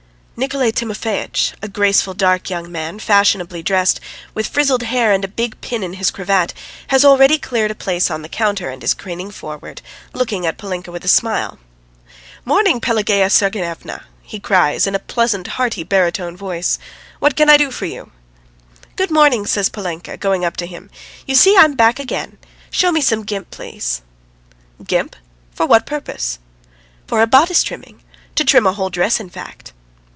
Nikolay Timofeitch, a graceful dark young man, fashionably dressed, with frizzled hair and a big pin in his cravat, has already cleared a place on the counter and is craning forward, looking at Polinka with a smile. "Morning, Pelagea Sergeevna!" he cries in a pleasant, hearty baritone voice. "What can I do for you?" "Good morning!" says Polinka, going up to him. "You see, I'm back again. ... Show me some gimp, please." "Gimp for what purpose?" "For a bodice trimming to trim a whole dress, in fact."